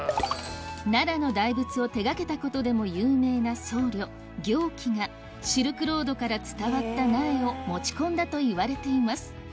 奈良の大仏を手掛けたことでも有名な僧侶行基がシルクロードから伝わった苗を持ち込んだといわれています